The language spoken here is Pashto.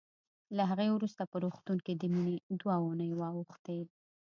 له هغې وروسته په روغتون کې د مينې دوه اوونۍ واوښتې